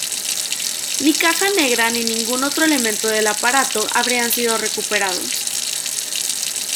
Ni caja negra ni ningún otro elemento del aparato habrían sido recuperados.